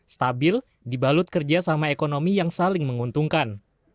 stabil dibalut kerjasama ekonomi yang saling menguntungkan